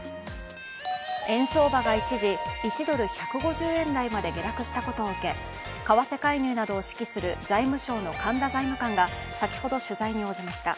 円相場が一時１ドル＝１５０円台まで下落したことを受け為替介入などを指揮する財務省の神田財務官が先ほど、取材に応じました。